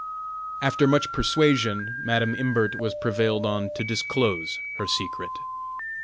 After much persuasion, Madam Imbert was prevailed on to disclose her secret.